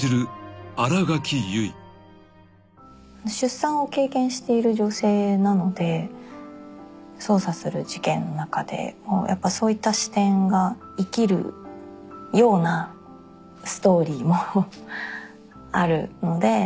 出産を経験している女性なので捜査する事件の中でもそういった視点が生きるようなストーリーもあるので。